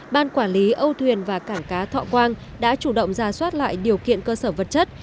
ban quản lý âu thuyền và cảng cá thọ quang đã chủ động ra soát lại điều kiện cơ sở vật chất